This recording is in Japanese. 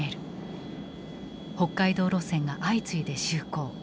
北海道路線が相次いで就航。